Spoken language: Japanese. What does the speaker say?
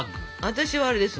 私はあれです。